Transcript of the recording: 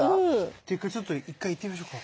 っていうかちょっと一回いってみましょうか。